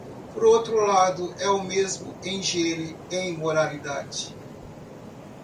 Por outro lado, é o mesmo em higiene, em moralidade.